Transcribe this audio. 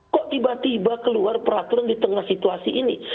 kok tiba tiba keluar peraturan di tengah situasi ini